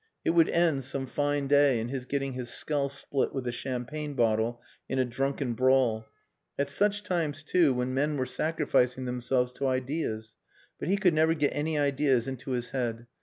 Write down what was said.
It would end some fine day in his getting his skull split with a champagne bottle in a drunken brawl. At such times, too, when men were sacrificing themselves to ideas. But he could never get any ideas into his head.